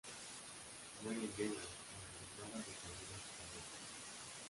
Muere en Gela, a la llegada de camiones italianos.